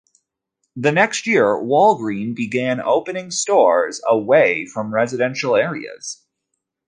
The next year, Walgreen began opening stores away from residential areas.